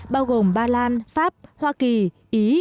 bao gồm ba lan pháp hoa kỳ ý